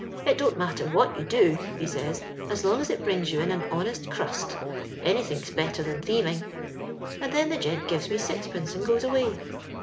It don't matter what you do,' he sajrs, * as long as it brings you in a honest crust ; anythink's better than thieving.* And then the gent gives me six pence and goes away.